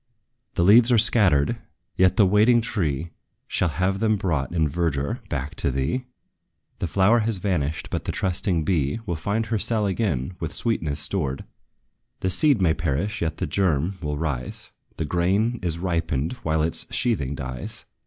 The leaves are scattered, yet the waiting tree Shall have them brought, in verdure, back by thee; The flower has vanished, but the trusting bee Will find her cell again with sweetness stored. The seed may perish, yet the germ will rise; The grain is ripened while its sheathing dies.